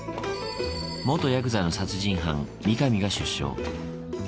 元やくざの殺人犯、三上が出所。